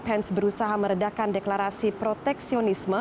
pens berusaha meredakan deklarasi proteksionisme